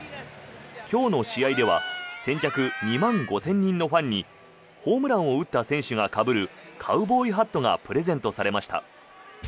今日の試合では先着２万５０００人のファンにホームランを打った選手がかぶるカウボーイハットがプレゼントされました。